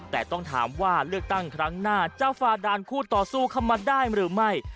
แต่ต้องถามว่าเลือกตั้งครั้งหน้าจะฝ่าด่านคู่ต่อสู้เข้ามาได้หรือไม่